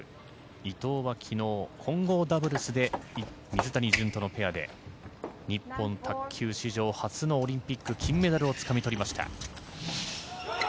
伊藤は昨日、混合ダブルスで水谷隼とのペアで日本卓球史上初のオリンピック金メダルを掴み取りました。